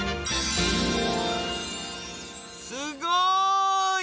すごい！